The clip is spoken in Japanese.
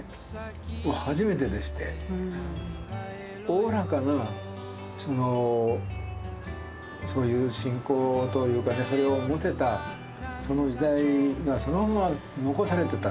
おおらかなそういう信仰というかねそれを持てたその時代がそのまま残されてたと。